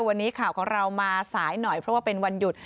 วันนี้ข่าวของเรามาสายหน่อยเพราะว่าเป็นวันหยุด